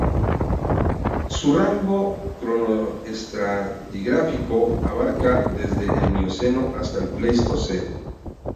Su rango cronoestratigráfico abarca desde el Mioceno hasta el Pleistoceno.